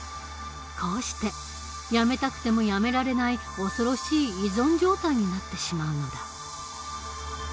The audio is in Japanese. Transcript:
こうしてやめたくてもやめられない恐ろしい依存状態になってしまうのだ。